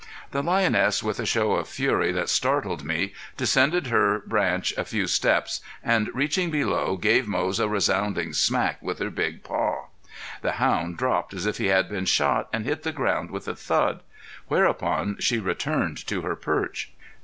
The lioness with a show of fury that startled me, descended her branch a few steps, and reaching below gave Moze a sounding smack with her big paw. The hound dropped as if he had been shot and hit the ground with a thud. Whereupon she returned to her perch.